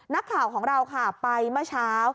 นักข่าวของเราค่ะไปเมื่อเช้า